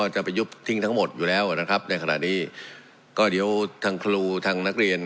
จะไปยุบทิ้งทั้งหมดอยู่แล้วนะครับในขณะนี้ก็เดี๋ยวทางครูทางนักเรียน